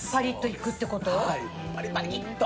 はいパリパリッと。